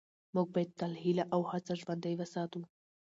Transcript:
موږ باید تل هیله او هڅه ژوندۍ وساتو